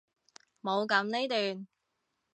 冇噉呢段！